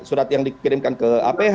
surat yang dikirimkan ke aph